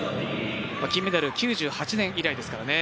金メダル、９８年以来ですからね。